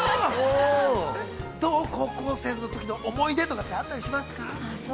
◆どう、高校生のときの思い出とかって、あったりしますか。